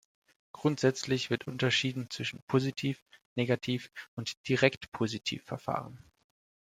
Grundsätzlich wird unterschieden zwischen Positiv-, Negativ- und Direktpositiv-Verfahren.